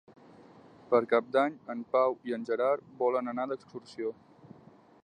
Per Cap d'Any en Pau i en Gerard volen anar d'excursió.